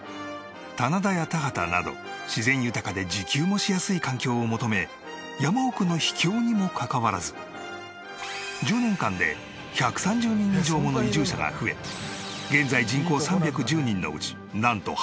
棚田や田畑など自然豊かで自給もしやすい環境を求め山奥の秘境にもかかわらず１０年間で１３０人以上もの移住者が増え現在人口３１０人のうちなんと半数以上が移住者に。